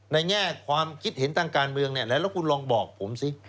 แง่ความคิดเห็นทางการเมืองเนี่ยแล้วคุณลองบอกผมสิ